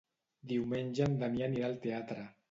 Diumenge en Damià anirà al teatre.